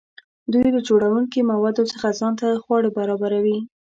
دوی له جوړونکي موادو څخه ځان ته خواړه برابروي.